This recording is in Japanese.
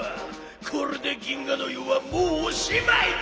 これで銀河ノ湯はもうおしまいだ！